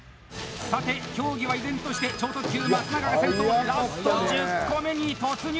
さて、競技は依然として超特急・松永が先頭ラスト１０個目に突入！